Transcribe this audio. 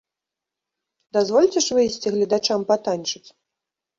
Дазвольце ж выйсці гледачам патанчыць!